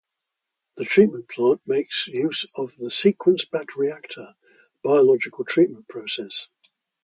The treatment plant makes use of the Sequence Batch Reactor biological treatment process.